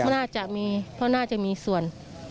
น่าจะมีเพราะน่าจะมีส่วน